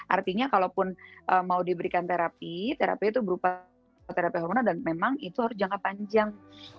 artinya kalaupun mau diberikan terapi terapi itu berupa terapi hormono dan memang itu harus jangka panjang